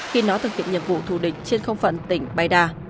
khi nó thực hiện nhiệm vụ thù địch trên không phận tỉnh bayda